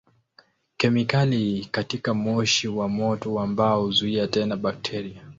Kemikali katika moshi wa moto wa mbao huzuia tena bakteria.